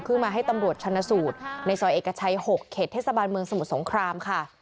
มาให้ตำรวจชนะสูตรในซอยเอกชัย๖เขตเทศบาลเมืองสมุทรสงครามค่ะ